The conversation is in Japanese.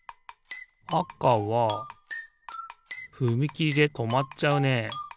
あかはふみきりでとまっちゃうね。